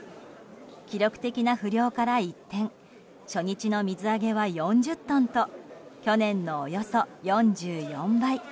記録的な不漁から一転初日の水揚げは４０トンと去年のおよそ４４倍。